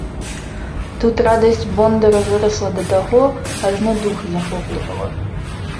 Тут радасць бондара вырасла да таго, ажно дух захоплівала.